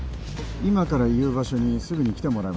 今から言う場所にすぐに来てもらえますか